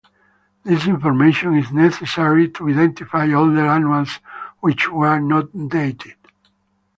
This information is necessary to identify older annuals which were not dated.